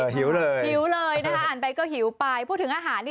หิวเลยนะครับอ่านไปก็หิวไปพูดถึงอาหารนี่